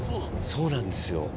そうなんですか？